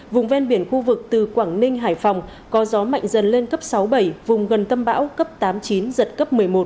vùng ven biển khu vực từ quảng ninh hải phòng có gió mạnh dần lên cấp sáu bảy vùng gần tâm bão cấp tám chín giật cấp một mươi một